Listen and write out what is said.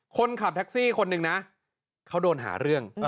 คนขับแท็กซี่คนหนึ่งนะเขาโดนหาเรื่อง